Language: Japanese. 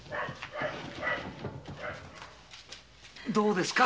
どうですか？